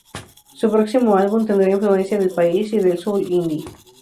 Su próximo álbum tendrá influencia del país y del soul indie.